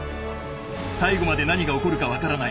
最後まで何が起こるか分からない